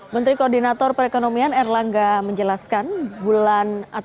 menteri koordinator perekonomian erlangga menjelaskan